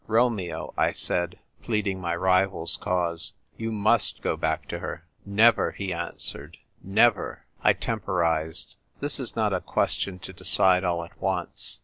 " Romeo," I said, pleading my rival's cause, "you must go back to her." " Never !" he answered, " never !" I temporised. " This is not a question to decide all at one.